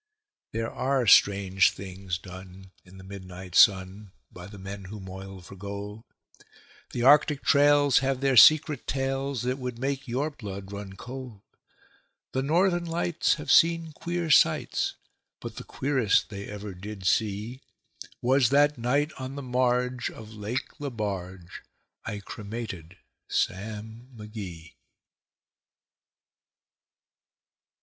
There are strange things done in the midnight sun By the men who moil for gold; The Arctic trails have their secret tales That would make your blood run cold; The Northern Lights have seen queer sights, But the queerest they ever did see Was that night on the marge of Lake Lebarge I cremated Sam McGee.